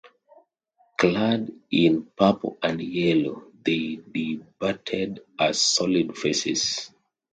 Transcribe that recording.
Clad in purple and yellow, they debuted as solid faces.